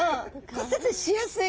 骨折しやすい。